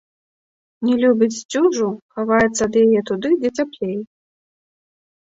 Не любіць сцюжу, хаваецца ад яе туды, дзе цяплей.